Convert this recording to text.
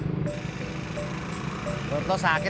bang perut hati sakit